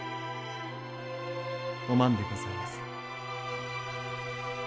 お万でございます。